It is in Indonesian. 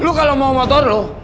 eh lu kalau mau motor lu